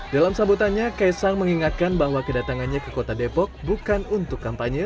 dalam sambutannya kaisang mengingatkan bahwa kedatangannya ke kota depok bukan untuk kampanye